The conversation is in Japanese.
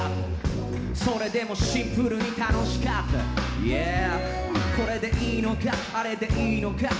「それでもシンプルに楽しかったＹｅａｈ」「これでいいのかあれでいいのか」